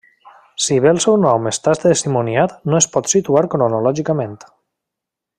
Si bé el seu nom està testimoniat no es pot situar cronològicament.